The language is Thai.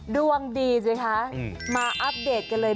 ดวงดีสิคะมาอัปเดตกันเลย